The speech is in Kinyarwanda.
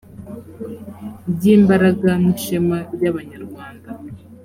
ry imbaraga n ishema ry abanyarwanda